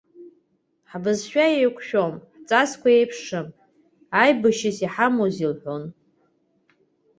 Ҳбызшәа еиқәшәом, ҳҵасқәа еиԥшым, ааибышьас иҳамоузеи лҳәон.